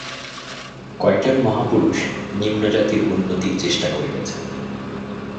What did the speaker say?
কয়েকজন মহাপুরুষ নিম্নজাতির উন্নতির চেষ্টা করে গেছেন।